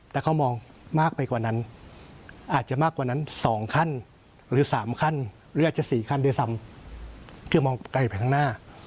แต่เขามองมากไปกว่านั้นอาจจะมากกว่านั้น๒ขั้นหรือ๓ขั้นหรืออาจจะ๔ขั้นด้วยซ้ำคือมองไกลไปข้างหน้า